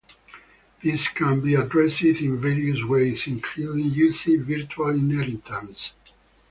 This can be addressed in various ways, including using virtual inheritance.